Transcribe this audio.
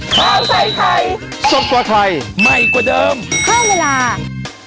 กระดาษกระดาษ